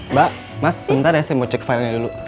mbak mas sebentar ya saya mau cek filenya dulu